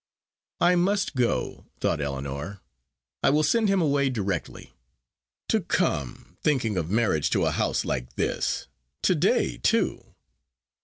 "I must go," thought Ellinor. "I will send him away directly; to come, thinking of marriage to a house like this to day, too!"